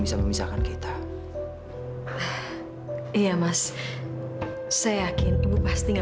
sampai jumpa di video selanjutnya